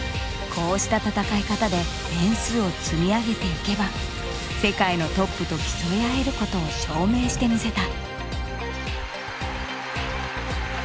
こうした戦い方で点数を積み上げていけば世界のトップと競い合えることを証明してみせた。